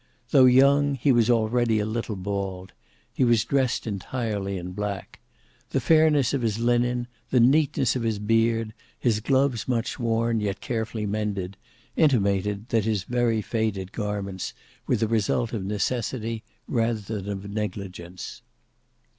Though young, he was already a little bald; he was dressed entirely in black; the fairness of his linen, the neatness of his beard, his gloves much worn, yet carefully mended, intimated that his very faded garments were the result of necessity rather than of negligence.